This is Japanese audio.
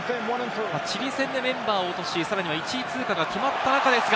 チリ戦でメンバーを落とし、さらには１位通過が決まった後ですが。